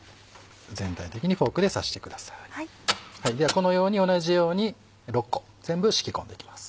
このように同じように６個全部敷き込んでいきます。